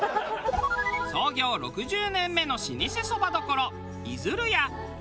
創業６０年目の老舗そば処いづるや。